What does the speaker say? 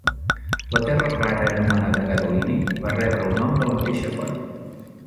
La terra rara anomenada gadolini va rebre el nom de la mateixa font.